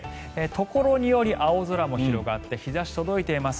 ところにより青空も広がって日差し、届いています。